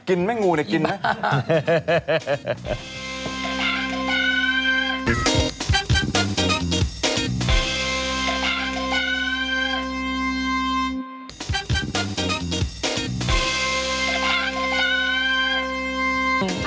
กินไหมงูเดี๋ยวกินไหม